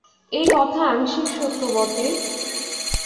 এই কথা আংশিক সত্য বটে।